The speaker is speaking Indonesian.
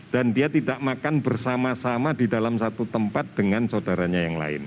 dan dia tidak makan bersama sama di dalam satu tempat dengan saudaranya yang lain